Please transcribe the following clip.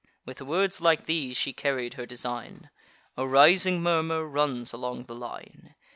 With words like these, she carried her design: A rising murmur runs along the line.